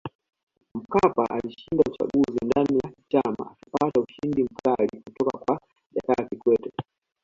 Mkapa alishinda uchaguzi ndani ya chama akipata ushindani mkali kutoka kwa Jakaya Kikwete